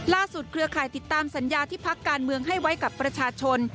เครือข่ายติดตามสัญญาที่พักการเมืองให้ไว้กับประชาชน